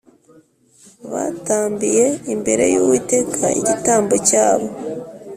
batambiye imbere y Uwiteka igitambo cyabo